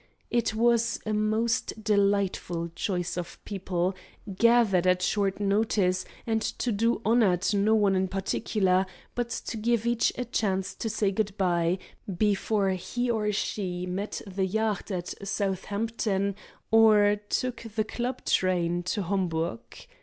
It was a most delightful choice of people, gathered at short notice and to do honor to no one in particular, but to give each a chance to say good by before he or she met the yacht at Southampton or took the club train to Homburg.